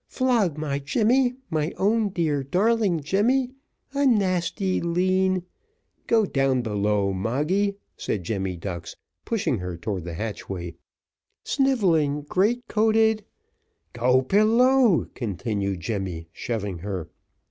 Flog my Jemmy my own, dear, darling Jemmy a nasty lean " "Go down below, Moggy," said Jemmy Ducks, pushing her towards the hatchway. "Snivelling, great coated " "Go below," continued Jemmy, shoving her.